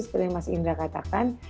seperti yang mas indra katakan